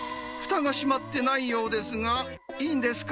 ふたが閉まってないようですが、いいんですか？